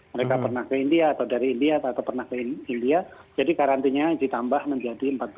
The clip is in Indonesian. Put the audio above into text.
mereka pernah ke india atau dari india atau pernah ke india jadi karantinanya ditambah menjadi empat belas